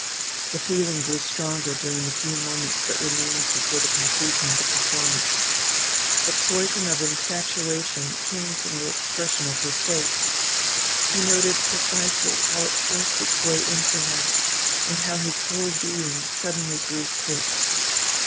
The feeling grew stronger during the few moments that remained before the conclusion of the performance. The poison of infatuation came from the expression of her face. He noted precisely how it forced its way into him and how his whole being suddenly grew sick.